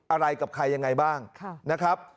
อะไรกับใครยังไงบ้างนะครับ